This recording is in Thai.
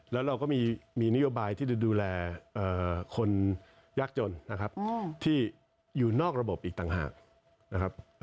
แล้วเราก็มีนโยบายที่จะดูแลคนยากจนนะครับที่อยู่นอกระบบอีกต่างหากนะครับ